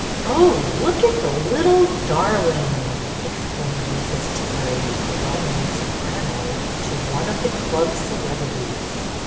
" Oh, look at the little darling! " exclaimed Mrs. Terry, the well known soprano, to one of the club celebrities.